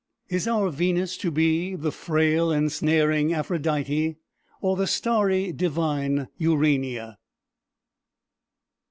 Is our Venus to be the frail, ensnaring Aphrodite, or the starry, divine Urania?